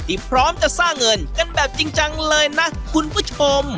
พร้อมจะสร้างเงินกันแบบจริงจังเลยนะคุณผู้ชม